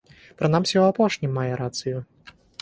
Прынамсі ў апошнім мае рацыю.